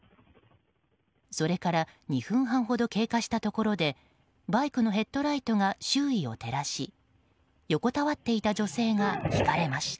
それから２分半ほど経過したところでバイクのヘッドライトが周囲を照らし横たわっていた女性がひかれました。